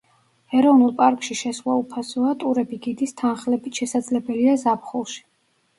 ეროვნულ პარკში შესვლა უფასოა, ტურები გიდის თანხლებით შესაძლებელია ზაფხულში.